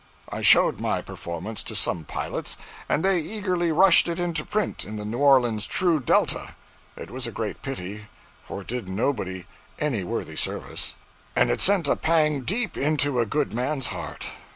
I showed my performance to some pilots, and they eagerly rushed it into print in the 'New Orleans True Delta.' It was a great pity; for it did nobody any worthy service, and it sent a pang deep into a good man's heart.